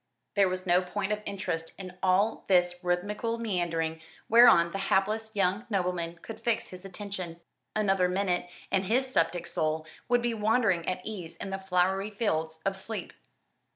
There was no point of interest in all this rhythmical meandering whereon the hapless young nobleman could fix his attention. Another minute and his sceptic soul would be wandering at ease in the flowery fields of sleep.